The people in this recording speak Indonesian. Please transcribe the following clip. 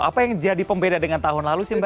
apa yang jadi pembeda dengan tahun lalu sih mbak